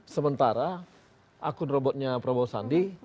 sementara akun robotnya prabowo sandi